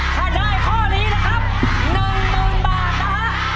ถ้าได้ข้อนี้นะครับ๑๐๐๐บาทนะฮะ